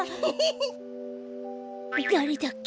だれだっけ？